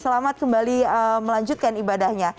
selamat kembali melanjutkan ibadahnya